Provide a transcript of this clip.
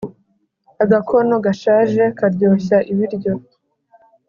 Agakono gashaje karyoshya ibiryo